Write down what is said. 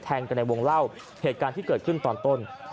กันในวงเล่าเหตุการณ์ที่เกิดขึ้นตอนต้น